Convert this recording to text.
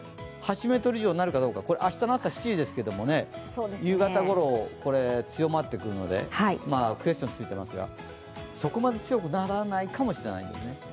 ８メートル以上になるかどうか、明日の朝７時ですけども、夕方ごろ、強まってくるのでクエスチョンついてますが、そこまで強くならないかもしれないですね。